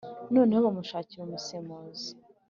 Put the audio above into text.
noneho bamushakira umusemuzi.